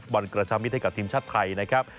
บรรกระชำมิเทศกับทีมชาติไทยนะครับ